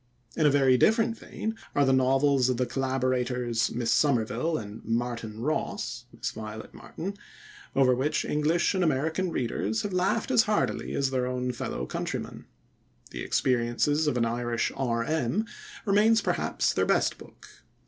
In a very different vein are the novels of the collaborators, Miss Somerville and "Martin Ross" (Miss Violet Martin), over which English and American readers have laughed as heartily as their own fellow countrymen. _The Experiences of an Irish R.M._remains, perhaps, their best book.